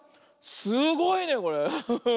すごいねこれ。